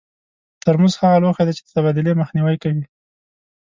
ترموز هغه لوښي دي چې د تبادلې مخنیوی کوي.